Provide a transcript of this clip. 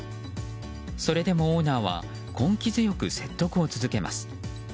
それでもオーナーは根気強く説得を続けます。